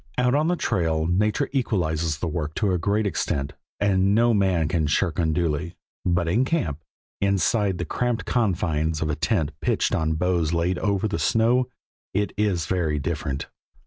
Out on the trail, nature equalizes the work to a great extent, and no man can shirk unduly, but in camp, inside the cramped confines of a tent pitched on boughs laid over the snow, it is very different.